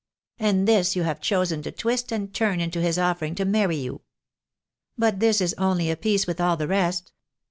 And this you have chosen to twist and turn into his offering to marry you. But this is only of a piece with all the rest.